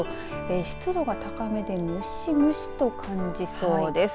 湿度が高めでむしむしと感じそうです。